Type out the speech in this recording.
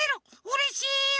うれしい！